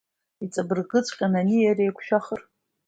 Иҵабыргыҵәҟьаны, ани иареи еиқәшәахыр!